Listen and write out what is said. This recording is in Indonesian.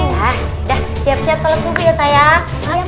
nah udah siap siap sholat subuh ya sayang